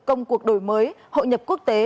công cuộc đổi mới hội nhập quốc tế